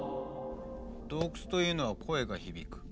洞窟というのは声が響く。